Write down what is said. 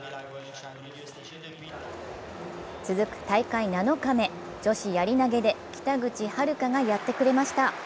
続く大会７日目、女子やり投げで北口榛花がやってくれました。